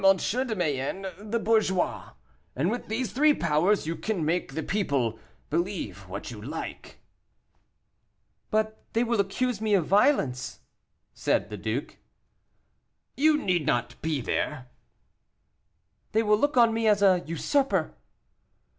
de Mayenne the bourgeois; and with these three powers you can make the people believe what you like." "But they will accuse me of violence," said the duke. "You need not be there." "They will look on me as a usurper."